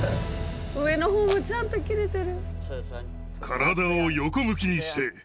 上のほうもちゃんと切れてる。